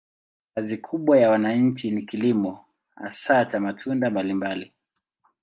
Kazi kubwa ya wananchi ni kilimo, hasa cha matunda mbalimbali.